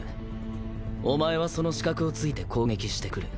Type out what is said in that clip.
お前はその死角を突いて攻撃してくる。